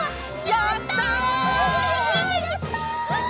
やった！